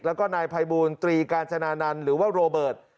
แล้วก็นายไพบูลตีกาลชาณานหรือว่าโรเบิร์ต